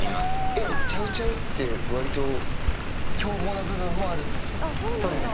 え、チャウチャウって、わりと凶暴な部分もあるんですよね。